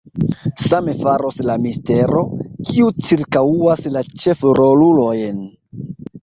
Same faros la mistero, kiu cirkaŭas la ĉefrolulojn.